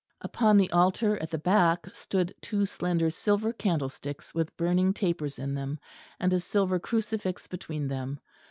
Upon the altar at the back stood two slender silver candlesticks with burning tapers in them; and a silver crucifix between them.